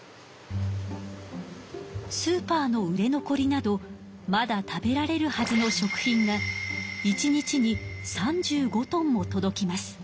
スーパーの売れ残りなどまだ食べられるはずの食品が１日に３５トンも届きます。